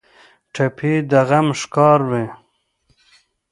ټپي د غم ښکار وي.